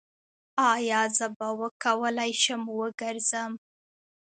ایا زه به وکولی شم وګرځم؟